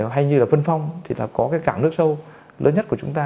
hay như là vân phong thì là có cái cảng nước sâu lớn nhất của chúng ta